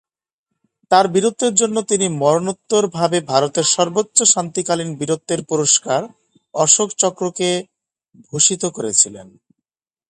তাঁর বীরত্বের জন্য, তিনি মরণোত্তর ভাবে ভারতে সর্বোচ্চ শান্তিকালীন বীরত্বের পুরস্কার অশোক চক্রকে ভূষিত করেছিলেন।